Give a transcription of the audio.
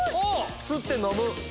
吸って飲む。